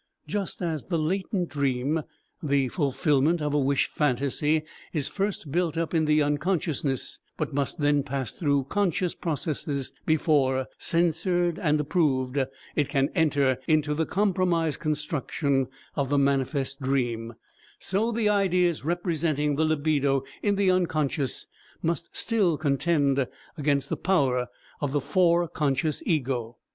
Just as the latent dream, the fulfillment of a wish phantasy, is first built up in the unconsciousness, but must then pass through conscious processes before, censored and approved, it can enter into the compromise construction of the manifest dream, so the ideas representing the libido in the unconscious must still contend against the power of the fore conscious ego.